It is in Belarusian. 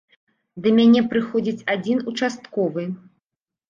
Да мяне прыходзіць адзін участковы.